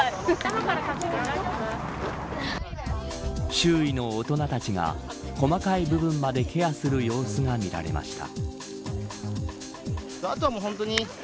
周囲の大人たちが細かい部分までケアする様子が見られました。